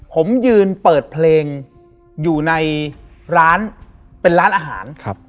ผมยืนเปิดเพลงอยู่ในร้านเป็นร้านอาหารครับ